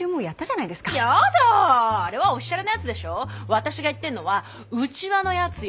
私が言ってんのは内輪のやつよ。